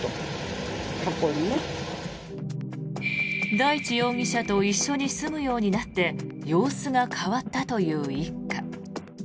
大地容疑者と一緒に住むようになって様子が変わったという一家。